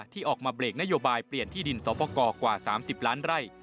ที่ออกมาเบรกนโยบายเปลี่ยนที่ดินสอปกรกว่า๓๐ล้านไร่